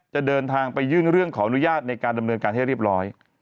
จะเดินทางไปยื่นเรื่องขออนุญาตในการดำเนินการให้เรียบร้อย